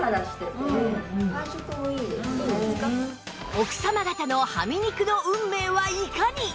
奥様方のはみ肉の運命はいかに！